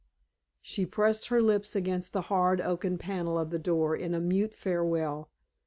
She pressed her lips against the hard oaken panel of the door in a mute farewell.